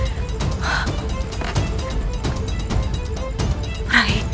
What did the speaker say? kalau bukan untuk mencelakai radenolang sosa